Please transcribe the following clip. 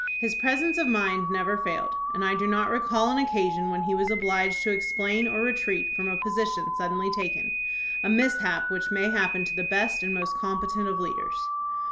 His presence of mind never failed, and I do not recall an occasion when he was obliged to explain or retreat from a position suddenly taken, a mishap which may happen to the best and most competent of leaders.